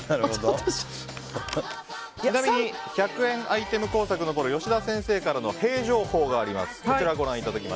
ちなみに１００円アイテム工作の吉田先生からのへぇ情報です。